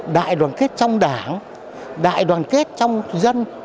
đại đoàn kết trong đảng đại đoàn kết trong dân